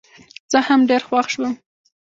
زه هم ډېر خوښ شوم.